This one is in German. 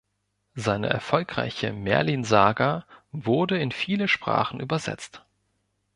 Seine erfolgreiche "Merlin-Saga" wurde in viele Sprachen übersetzt.